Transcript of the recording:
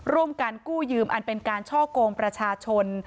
ร่วมกันกู้ยืมอันเป็นการช่อกงประชาชน